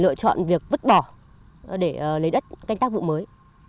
chúng ta sẽ chọn việc vứt bỏ để lấy đất canh tác vụ mới